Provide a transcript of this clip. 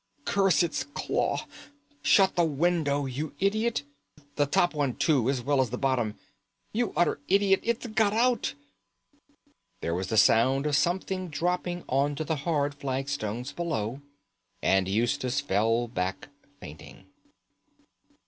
Curse its claw! Shut the window, you idiot! The top too, as well as the bottom. You utter idiot! It's got out!" There was the sound of something dropping on to the hard flagstones below, and Eustace fell back fainting.